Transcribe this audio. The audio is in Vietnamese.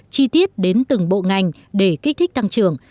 chi tiết đến từng bộ ngành để kích thích tăng trưởng